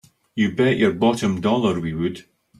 You bet your bottom dollar we would!